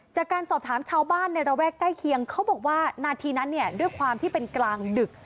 จากการสอบถามชาวบ้านในระแวกใกล้เคียงเขาบอกว่านาทีนั้นเนี่ยด้วยความที่เป็นกลางดึก